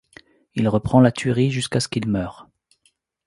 Il reprend la tuerie jusqu’à ce qu'il meure.